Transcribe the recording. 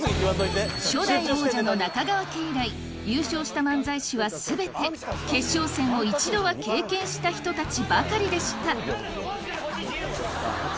初代王者の中川家以来優勝した漫才師は全て決勝戦を１度は経験した人たちばかりでした。